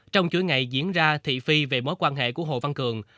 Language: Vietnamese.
trong chuỗi ngày diễn ra thị phi về mối quan hệ của hồ văn cường